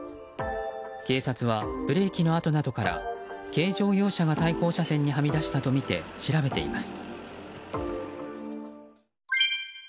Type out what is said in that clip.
警察はブレーキの跡などから軽乗用車が対向車線にはみ出したとみて調べています。